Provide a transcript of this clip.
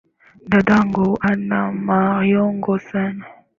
Dadangu ana maringo sana.